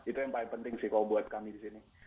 itu yang paling penting sih kalau buat kami di sini